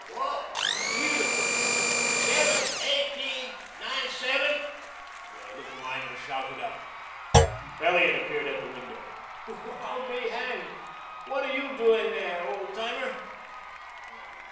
"Oh, you, seven eighteen ninety nine," the little miner shouted up. Elliot appeared at the window. "Well, I'll be hanged! What are you doing here, Old Timer?"